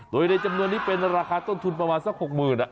โดยในจำนวนนี้เป็นราคาต้นทุนประมาณสัก๖๐๐๐บาท